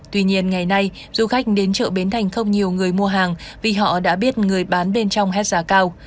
tuy nhiên ngày nay du khách đến chợ bến thành không nhiều người mua hàng vì họ đã biết người bán bên trong hết giá cao